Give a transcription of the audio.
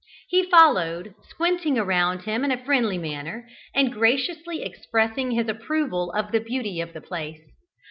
He followed, squinting around him in a friendly manner, and graciously expressing his approval of the beauty of the place.